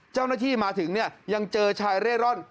เจ้าหน้าที่มาถึงเนี่ยยังเจอชายเร่ร่อน